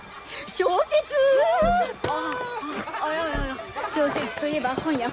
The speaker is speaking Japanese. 小説といえば本や本！